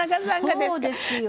そうですよ。